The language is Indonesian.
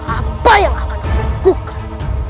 apa yang akan aku lakukan